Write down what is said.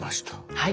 はい。